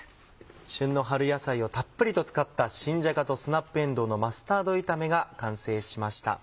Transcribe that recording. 旬の春野菜をたっぷりと使った「新じゃがとスナップえんどうのマスタード炒め」が完成しました。